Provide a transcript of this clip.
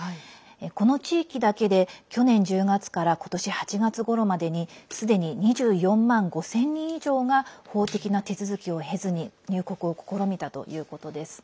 この地域だけで去年１０月から今年８月ごろまでにすでに２４万５０００人以上が法的な手続きを経ずに入国を試みたということです。